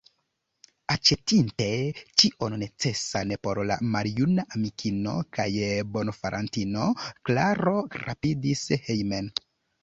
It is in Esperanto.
Aĉetinte ĉion necesan por la maljuna amikino kaj bonfarantino, Klaro rapidis hejmen.